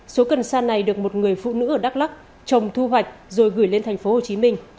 số cần sa này được một người phụ nữ ở đắk lắc trồng thu hoạch rồi gửi lên thành phố hồ chí minh